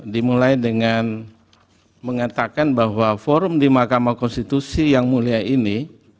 dimulai dengan mengatakan bahwa forum di mahkamah konstitusi yang mulia ini